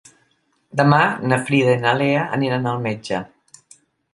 Demà na Frida i na Lea aniran al metge.